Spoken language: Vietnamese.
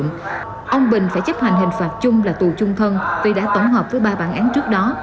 ông phương bình phải chấp hành hình phạt chung là tù chung thân vì đã tổng hợp với ba bản án trước đó